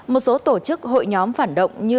một số tổ chức hội nhóm phản động như